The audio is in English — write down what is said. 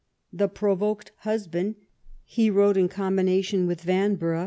" The Pro voked Husband" he wrote in combination with Van brugh.